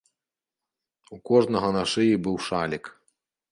У кожнага на шыі быў шалік.